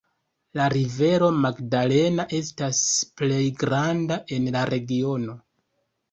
La rivero Magdalena estas plej granda en la regiono.